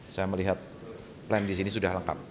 saya melihat plan di sini sudah lengkap